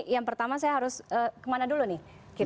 yang pertama saya harus kemana dulu nih